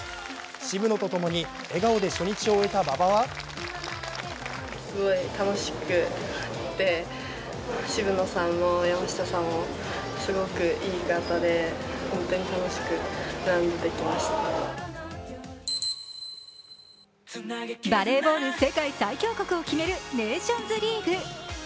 渋野と共に笑顔で初日を終えた馬場はバレーボール世界最強国を決めるネーションズリーグ。